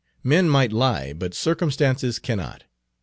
Men might lie, but circumstances cannot.